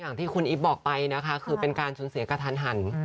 อย่างที่คุณอีฟบอกไปนะคะคือเป็นการสูญเสียกระทันหัน